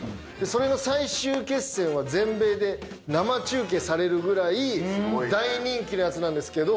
それの最終決戦は全米で生中継されるぐらい大人気のやつなんですけど。